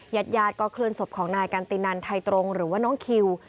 ญาติญาติก็เคลื่อนศพของนายกันตินันไทยตรงหรือว่าน้องคิว